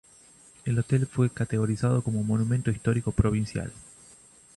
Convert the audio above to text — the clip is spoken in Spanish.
El hotel fue categorizado como Monumento Histórico Provincial.